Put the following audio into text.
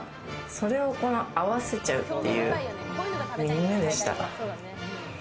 それを、この合わせちゃうっていう、夢でした。